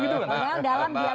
dalam dialog kita sebelumnya